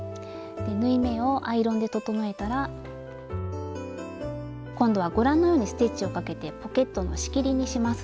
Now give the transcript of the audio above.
で縫い目をアイロンで整えたら今度はご覧のようにステッチをかけてポケットの仕切りにします。